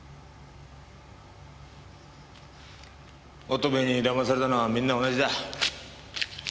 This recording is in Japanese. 乙部に騙されたのはみんな同じだ。